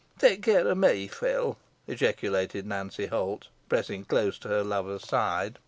"Tak care o' me, Phil," ejaculated Nancy Holt, pressing close to her lover's side.